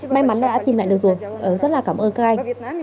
may mắn đã tìm lại được rồi rất là cảm ơn các anh